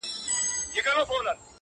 الله دي تا پر چا مین کړي-